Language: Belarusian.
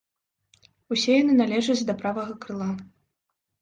Усе яны належаць да правага крыла.